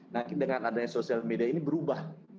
nah dengan adanya social media ini berubah